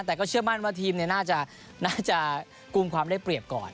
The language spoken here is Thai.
แต่ก็เชื่อมั่นว่าทีมน่าจะกลุ่มความได้เปรียบก่อน